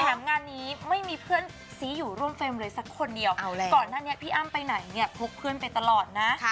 งานนี้ไม่มีเพื่อนซีอยู่ร่วมเฟรมเลยสักคนเดียวก่อนหน้านี้พี่อ้ำไปไหนเนี่ยพกเพื่อนไปตลอดนะ